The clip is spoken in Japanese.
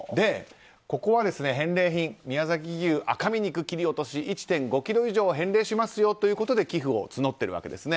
ここは返礼品、宮崎牛赤身肉切り落とし１．５ｋｇ以上を返礼しますよということで寄付を募っているわけですね。